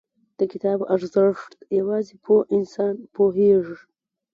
• د کتاب ارزښت، یوازې پوه انسان پوهېږي.